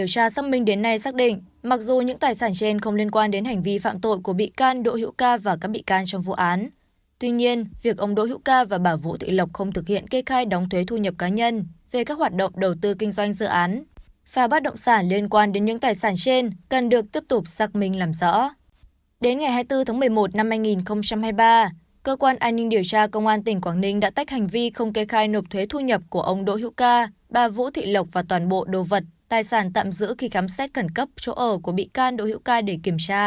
sinh hoạt cùng gia đình và sau đó bị cơ quan an ninh điều tra công an tỉnh quảng ninh bắt giữ về hành vi mua bán trái phép hóa đơn